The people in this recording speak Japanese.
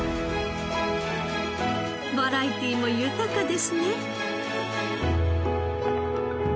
バラエティーも豊かですね。